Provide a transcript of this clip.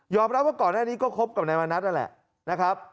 รับว่าก่อนหน้านี้ก็คบกับนายมณัฐนั่นแหละนะครับ